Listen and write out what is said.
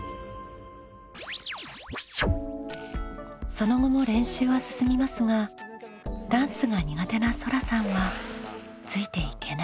その後も練習は進みますがダンスが苦手なそらさんはついていけない様子。